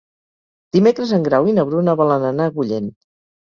Dimecres en Grau i na Bruna volen anar a Agullent.